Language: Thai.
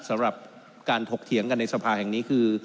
สำหรับการถกเถียงกันในสภาแห่งนี้คือ